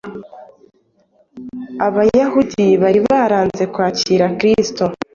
Abayahudi bari baranze kwakira Kristo;